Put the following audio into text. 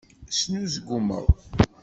Snuzgumeɣ.